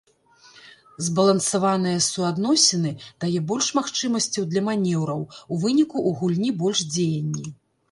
Збалансаванае суадносіны дае больш магчымасцяў для манеўраў, у выніку ў гульні больш дзеянні.